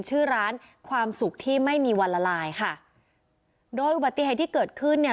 ชื่อร้านความสุขที่ไม่มีวันละลายค่ะโดยอุบัติเหตุที่เกิดขึ้นเนี่ย